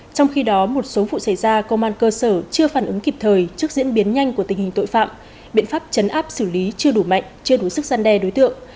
trong khi đó một số vụ xảy ra công an cơ sở chưa phản ứng kịp thời trước diễn biến nhanh của tình hình tội phạm biện pháp chấn áp xử lý chưa đủ mạnh chưa đủ sức gian đe đối tượng